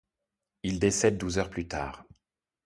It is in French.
Il décède douze heures plus tard.